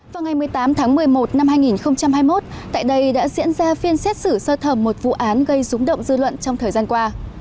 vào ngày một mươi tám tháng một mươi một năm hai nghìn hai mươi một tại đây đã diễn ra phiên xét xử sơ thẩm một vụ án gây rúng động dư luận trong thời gian qua